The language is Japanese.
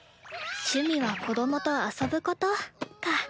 趣味は子供と遊ぶことか。